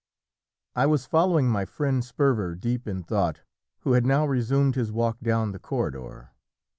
I was following my friend Sperver, deep in thought, who had now resumed his walk down the corridor.